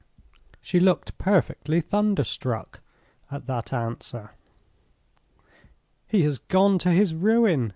She looked perfectly thunderstruck at that answer. 'He has gone to his ruin!